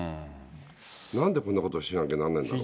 なんでこんなことしなきゃならないんだろうって。